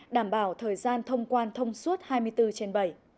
đảm bảo thời gian thông quan thông suốt hai mươi bốn trên bảy